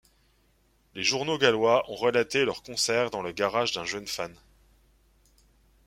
Les journaux gallois ont relaté leur concert dans le garage d'un jeune fan.